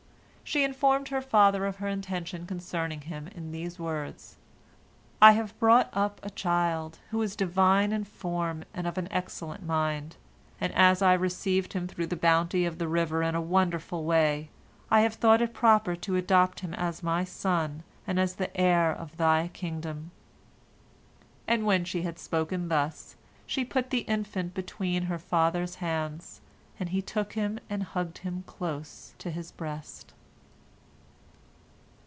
She informed her father of her intention concerning him, in these words: "I have brought up a child, who is divine in form and of an excellent mind, and as I received him through the bounty of the river in a wonderful way, I have thought it proper to adopt him as my son and as the heir of thy kingdom." And when she had spoken thus, she put the infant between her father's hands, and he took him and hugged him close to his breast.